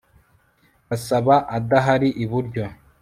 basaba adahari iburyo